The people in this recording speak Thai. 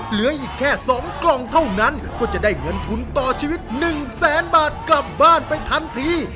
เหลืออีกแค่๒กล่องเท่านั้นก็จะได้เงินทุนต่อชีวิต๑แสนบาทกลับบ้านไปทันที